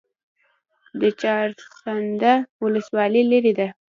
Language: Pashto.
د چهارسده ولسوالۍ لیرې ده